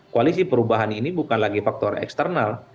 koalisi perubahan ini bukan lagi faktor eksternal